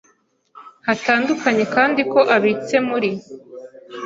hatandukanye kandi ko abitse muri